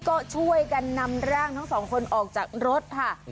ก็ช่วยกันนำร่างทั้งสองคนออกจากรถค่ะ